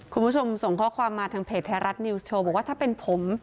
คุณผู้ชมส่งข้อความมาทางเพจไทยรัฐนิวส์โชว์บอกว่าถ้าเป็นผม